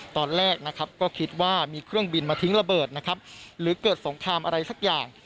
ตอนแรกนะครับก็คิดว่ามีเครื่องบินมาทิ้งระเบิดนะครับหรือเกิดสงครามอะไรสักอย่าง